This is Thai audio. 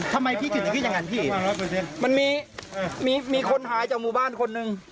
ทำไมพี่ถึงจะคิดอย่างนั้นพี่มันมีมีคนหายจากหมู่บ้านคนหนึ่ง